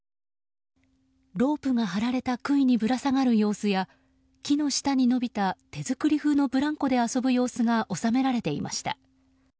ロープが張られた杭にぶら下がる様子や木の下に延びた手作り風のブランコで遊ぶ様子が収められていました。